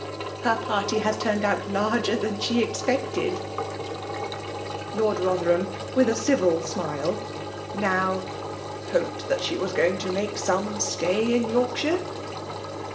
Her party has turned out larger than she expected !" Lord Botherham, with a dvil smile, n4»w l*^ hoped that she was going to make some iBtay in Yoikafaire